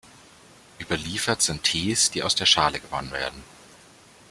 Überliefert sind Tees, die aus der Schale gewonnen werden.